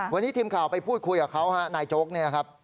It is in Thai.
วันนี้ทีมข่าวไปพูดคุยกับเขาฮะนายโจ๊กเนี่ยนะครับ